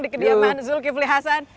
di kediaman zulkifli hasan